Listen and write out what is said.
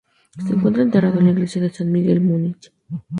Se encuentra enterrado en la Iglesia de San Miguel, Múnich.